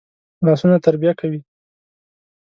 لاسونه تربیه کوي